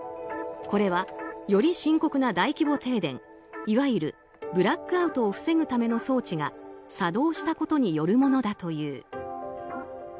これは、より深刻な大規模停電いわゆるブラックアウトを防ぐための装置が作動したことによるものだという。